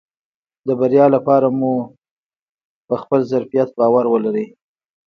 د بريا لپاره مو په خپل ظرفيت باور ولرئ .